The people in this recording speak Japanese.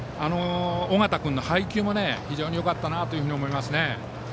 尾形君の配球も非常によかったなと思いますね。